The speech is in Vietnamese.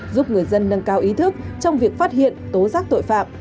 giúp người dân nâng cao ý thức trong việc phát hiện tố giác tội phạm